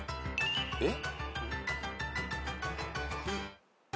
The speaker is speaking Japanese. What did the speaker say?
えっ？